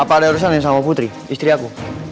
apa ada urusan nih sama putri istri aku